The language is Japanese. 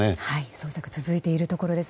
捜索は続いているところです。